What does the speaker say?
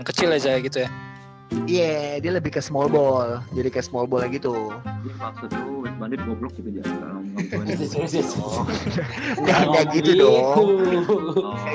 kecil aja gitu ya iya dia lebih ke small ball jadi ke small ball gitu maksudnya